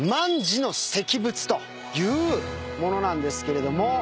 という物なんですけれども。